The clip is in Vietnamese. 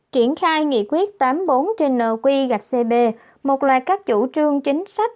triển khai nghị quyết tám mươi bốn trên nqgcb một loạt các chủ trương chính sách